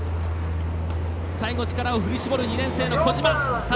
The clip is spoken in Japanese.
最後、力を振り絞る２年生の児島。